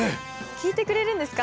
聞いてくれるんですか？